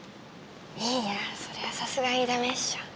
いやそれはさすがにダメっしょ。